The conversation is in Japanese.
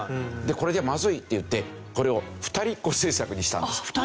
これじゃまずいっていってこれを二人っ子政策にしたんです。